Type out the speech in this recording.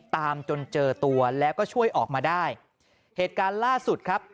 ตามจนเจอตัวแล้วก็ช่วยออกมาได้เหตุการณ์ล่าสุดครับ